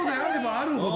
あるほど。